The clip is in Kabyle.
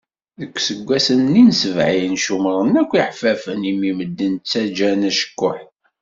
Deg iseggasen-nni n sebɛin ccumren akk iḥeffafen imi medden ttaǧǧan acekkuḥ.